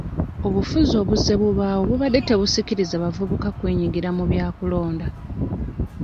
Obufuzi obuzze bubaawo bubadde tebusikiriza bavubuka kwenyigira mu bya kulonda.